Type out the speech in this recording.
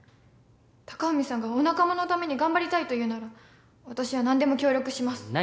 隆文さんがお仲間のために頑張りたいというなら私は何でも協力します何？